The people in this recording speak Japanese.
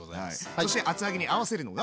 そして厚揚げに合わせるのが？